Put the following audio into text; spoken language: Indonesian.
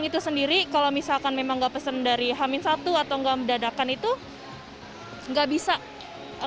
itu sendiri kalau misalkan memang nggak pesen dari hamin satu atau nggak mendadakan itu nggak bisa